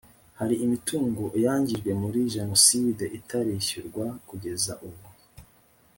hari imitungo yangijwe muri jenoside itarishyurwa kugeza ubu